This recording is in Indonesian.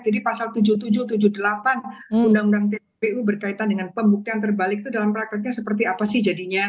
jadi pasal tujuh puluh tujuh tujuh puluh delapan nonggang tppu berkaitan dengan pembuktian terbalik itu dalam prakteknya seperti apa sih jadinya